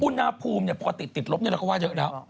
อุณหภูมิปกติติดลบเราก็ว่าเยอะแล้ว